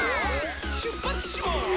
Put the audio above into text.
しゅっぱつします！